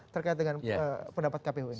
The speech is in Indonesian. terkait dengan pendapat kpu ini